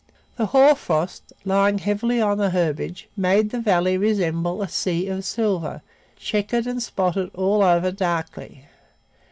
The hoar frost, lying heavily on the herbage, made the valley resemble a sea of silver, checkered and spotted all over darkly.